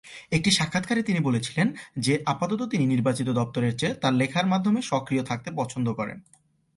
একটি সাক্ষাৎকারে তিনি বলেছিলেন যে আপাতত তিনি নির্বাচিত দপ্তরের চেয়ে তার লেখার মাধ্যমে সক্রিয় থাকতে পছন্দ করেন।